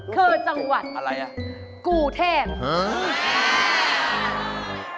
คือจังหวัดคูเทพคือจังหวัดอะไรนะ